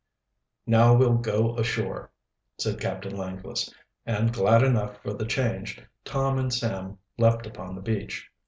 "Now we'll go ashore," said Captain Langless, and glad enough for the change, Tom and Sam leaped upon the beach.